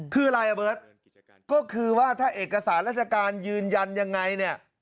คืออะไรอ่ะเบิร์ตก็คือว่าถ้าเอกสารราชการยืนยันยังไงเนี่ย